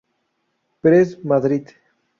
Press, Madrid.